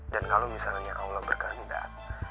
dan kalau misalnya allah berkendak